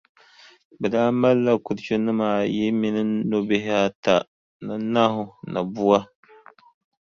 Bɛ daa malila kurichunima ayi mini nobihi ata ni nahu ni bua.